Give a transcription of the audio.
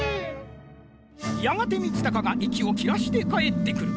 やがてみちたかがいきをきらしてかえってくる。